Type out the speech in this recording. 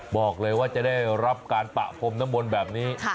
บอกเลยว่าจะได้รับการปะพรมน้ำมนต์แบบนี้